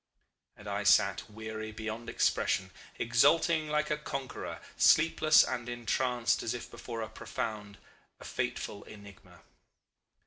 "And I sat weary beyond expression, exulting like a conqueror, sleepless and entranced as if before a profound, a fateful enigma.